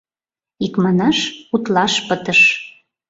Икманаш, утлаш пытыш.